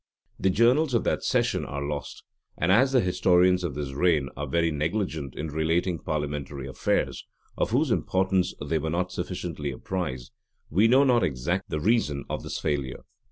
The journals of that session are lost; and as the historians of this reign are very negligent in relating parliamentary affairs, of whose importance they were not sufficiently apprised, we know not exactly the reason of this failure.